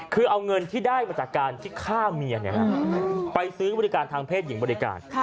คือเอาเงินที่ได้มาจากการที่ฆ่าเมียไปซื้อบริการทางเพศหญิงบริการ